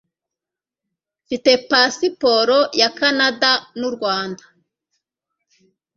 Mfite pasiporo ya Canada nuRwanda.